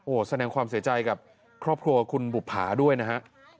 แสดงความเสียใจกับครอบครัวคุณบุภาด้วยนะฮะ